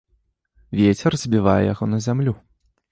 Вецер збівае яго на зямлю.